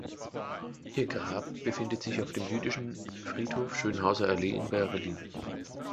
Ihr Grab befindet sich auf dem Jüdischen Friedhof Schönhauser Allee in Berlin.